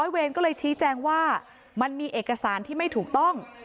เวรก็เลยชี้แจงว่ามันมีเอกสารที่ไม่ถูกต้อง